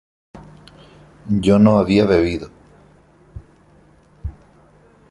yo no había bebido